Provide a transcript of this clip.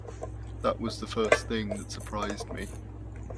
That was the first thing that surprised me.